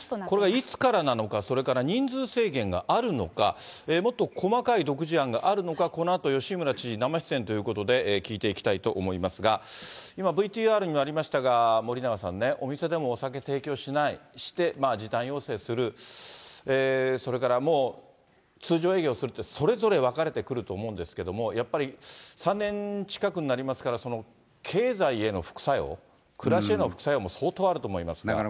これがいつからなのか、それから人数制限があるのか、もっと細かい独自案があるのか、このあと吉村知事生出演ということで、聞いていきたいと思いますが、今、ＶＴＲにもありましたが、森永さんね、お店でもお酒提供しない、して時短要請する、それからもう通常営業するって、それぞれ分かれてくると思うんですけれども、やっぱり３年近くになりますから、経済への副作用、暮らしへの副作用も相当あると思いますね。